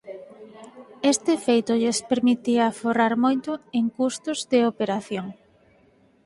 Este feito lles permitía aforrar moito en custos de operación.